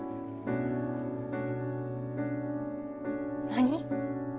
何？